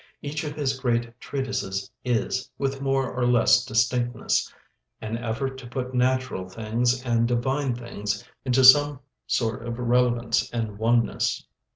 Each of his great treatises is, with more or less distinctness, an effort to put natural things and divine things into some sort of relevance and oneness.